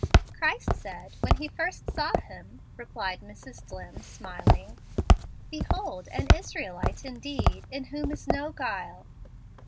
"Christ said, when he first saw him," replied Mrs. Dlimm, smiling, "'Behold an Israelite indeed, in whom is no guile.'"